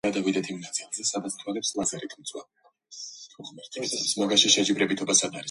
ადმინისტრაციული თვალსაზრისით, არგენტინის ანტარქტიკა არის ცეცხლოვანი მიწის პროვინციის დეპარტამენტი.